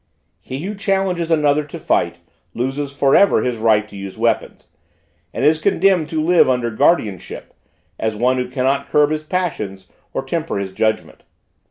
He who challenges another to fight, loses forever his right to use weapons, and is condemned to live under guardianship, as one who cannot curb his passions or temper his judgment.